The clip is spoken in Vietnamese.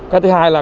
cái thứ hai là